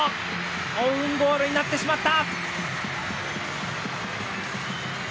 オウンゴールになってしまった！